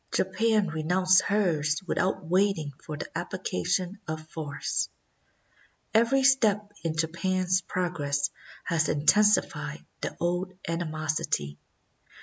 Japan renounced hers without waiting for the application of force. Every step in Japan's progress has intensified the old animosity.